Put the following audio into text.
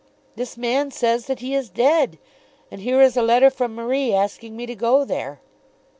"This man says that he is dead, and here is a letter from Marie asking me to go there.